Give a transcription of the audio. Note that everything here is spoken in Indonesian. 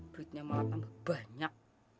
belitnya malah tambah banyak